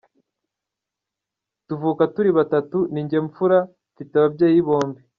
Tuvuka turi batatu ni njye mfura, mfite ababyeyi bombi.